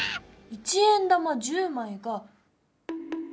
一円玉１０枚が。